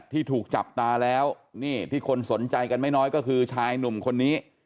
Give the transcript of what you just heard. ที่ถูกจับตาแล้วนี่ที่คนสนใจกันไม่น้อยก็คือชายหนุ่มคนนี้